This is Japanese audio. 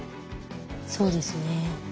そうですね。